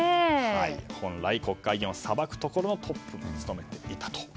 本来、国会議員を裁くところのトップを務めていたと。